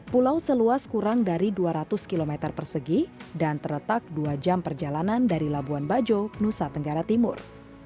pulau seluas kurang dari dua ratus km persegi dan terletak dua jam perjalanan dari labuan bajo nusa tenggara timur